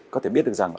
có thể biết được rằng